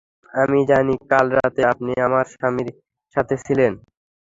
আমি জানি, কাল রাতে আপনি আমার স্বামীর সাথে ছিলেন।